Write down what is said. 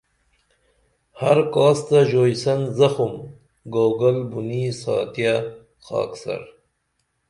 ہر کاس تہ ژوئیسن زخم گوگل بونیں ساتیہ خاکسار